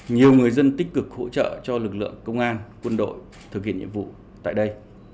nhiều người dân tích cực hỗ trợ cho lực lượng công an quân đội thực hiện nhiệm vụ tại đây